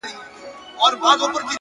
د زړې کلي چتونه د باران غږ بل ډول ساتي